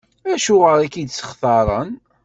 Acuɣer i k-id-sṭaxren?